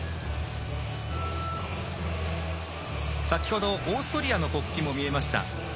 先ほど、オーストリアの国旗も見えました。